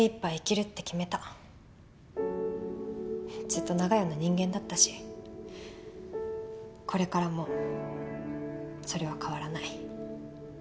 ずっと長屋の人間だったしこれからもそれは変わらない。